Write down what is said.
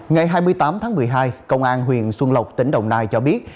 ngày hai mươi tám tháng một mươi hai công an huyện xuân lộc tỉnh đồng nai cho biết